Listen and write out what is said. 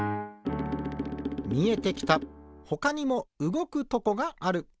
みえてきたほかにもうごくとこがある。